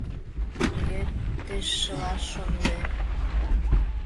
Нигӧн деч шылаш шоныде.